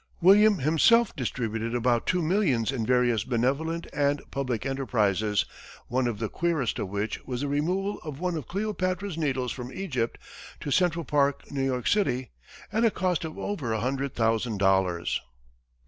William himself distributed about two millions in various benevolent and public enterprises, one of the queerest of which was the removal of one of "Cleopatra's Needles" from Egypt to Central Park, New York City, at a cost of over a hundred thousand dollars.